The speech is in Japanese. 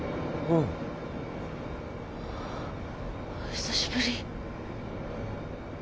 久しぶり。